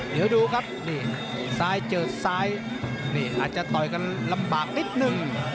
เดี๋ยวดูครับนี่ซ้ายเจอซ้ายนี่อาจจะต่อยกันลำบากนิดนึง